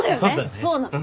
そうなの。